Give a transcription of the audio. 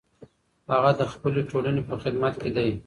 هغه د خپلې ټولنې په خدمت کې دی.